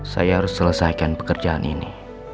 saya harus selesaikan pekerjaan ini